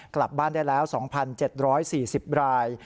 กลับบ้านได้แล้ว๒๗๔๐ราย